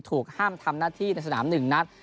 ถูกห้ามทำหน้าที่ในสนาม๑นัด